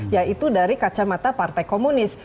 yaitu dari kacamata partai komunis